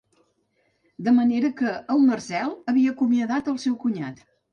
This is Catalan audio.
De manera que el Marcel havia acomiadat el seu cunyat.